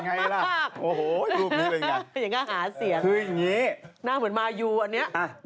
เหมือนง่าหาเสียงน่าเหมือนมายูอันนี้